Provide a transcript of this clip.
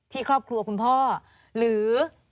ครอบครัวคุณพ่อหรือ